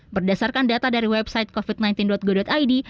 berdasarkan data dari website covid sembilan belas go id